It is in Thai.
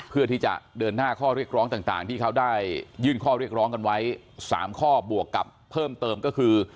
เพื่อที่จะเดินหน้าข้อเรียกร้องต่างที่เขาได้ยื่นข้อเรียกร้องกันไว้๓ข้อบวกกับเพิ่มเติมก็คือ